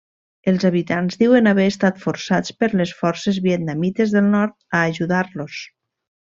Els habitants diuen haver estat forçats per les forces vietnamites del nord a ajudar-los.